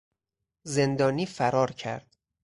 زندانی فرار کرد.